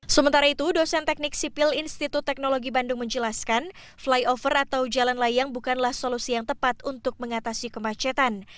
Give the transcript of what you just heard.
sementara itu dosen teknik sipil institut teknologi bandung menjelaskan flyover atau jalan layang bukanlah solusi yang tepat untuk mengatasi kemacetan